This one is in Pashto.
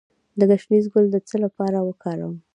د ګشنیز ګل د څه لپاره وکاروم؟